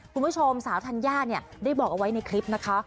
คุณผู้ชมสาวธัญญาเนี่ยได้บอกเอาไว้ในคลิปนะคะ